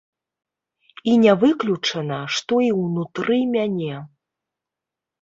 І не выключана, што і ўнутры мяне.